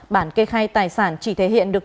bản kê khai tài sản chỉ thể hiện được